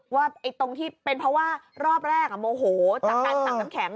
ว่าตรงที่เป็นเพราะว่ารอบแรกโมโหจากการสั่งน้ำแข็ง